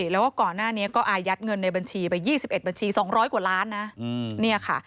แล้วก็ก่อนหน้านี้ก็อายัดเงินในบัญชีไป๒๑บัญชี๒๐๐กว่าล้านนะ